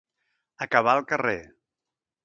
Acabar al carrer.